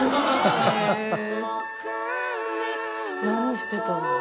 何してたんだろう？